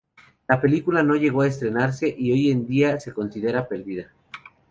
La película no llegó a estrenarse, y hoy en día se considera perdida.